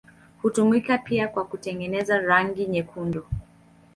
Hutumika pia kwa kutengeneza rangi nyekundu.